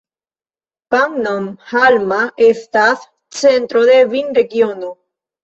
Pannonhalma estas centro de vinregiono.